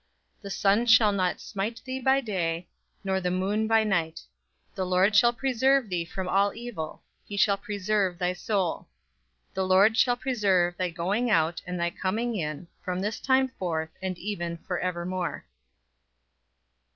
The sun shall not smite thee by day, nor the moon by night. The Lord shall preserve thee from all evil: he shall preserve thy soul. The Lord shall preserve thy going out and thy coming in, from this time forth, and even for evermore."